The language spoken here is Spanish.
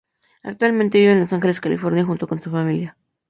Actualmente vive en Los Ángeles, California, junto con su familia.